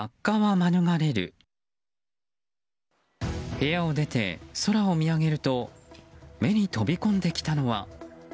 部屋を出て空を見上げると目に飛び込んできたのは。